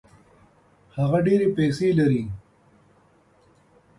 هغه ډېري پیسې لري.